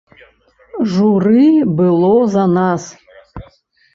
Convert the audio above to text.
Журы было за нас.